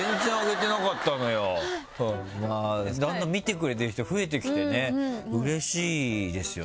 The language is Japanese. だんだん見てくれてる人増えてきてねうれしいですよね。